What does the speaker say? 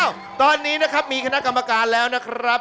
ตอนนี้นะครับมีคณะกรรมการแล้วนะครับ